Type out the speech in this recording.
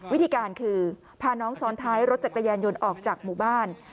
วิธีการคือพาน้องซ้อนท้ายรถจักรยานยนต์ออกจากหมู่บ้าน